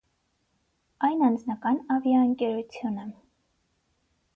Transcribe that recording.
Այն անձնական ավիաընկերություն է։